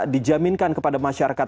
dijaminkan kepada masyarakat